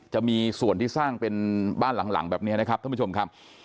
จะมีส่วนที่สร้างเป็นบ้านหลังแบบนี้นะครับท่านผู้ชมครับ